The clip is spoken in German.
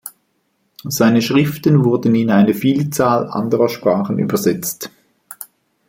Seine Schriften wurden in eine Vielzahl anderer Sprachen übersetzt.